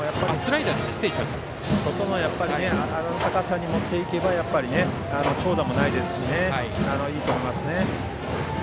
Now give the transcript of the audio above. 外のあの高さに持っていけば長打もないですしいいと思いますね。